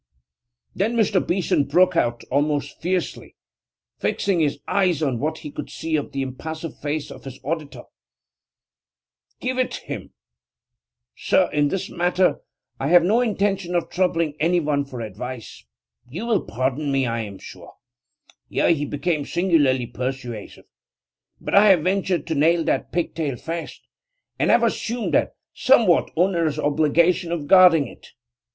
Then Mr. Beeson broke out, almost fiercely, fixing his eyes on what he could see of the impassive face of his auditor: 'Give it him? Sir, in this matter I have no intention of troubling anyone for advice. You will pardon me, I am sure' here he became singularly persuasive 'but I have ventured to nail that pigtail fast, and have assumed that somewhat onerous obligation of guarding it.